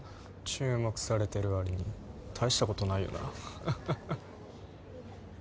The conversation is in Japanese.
注目されてる割に大したことないよなハハハ